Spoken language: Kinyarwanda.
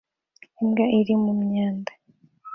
Imbwa iri mu myanda